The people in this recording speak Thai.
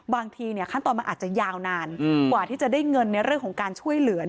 บางทีขั้นตอนมันอาจจะยาวนานกว่าที่จะได้เงินในเรื่องของการช่วยเหลือ